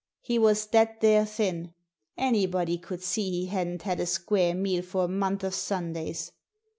He was that there thin — anybody could see he hadn't had a square meal for a month of Sundays.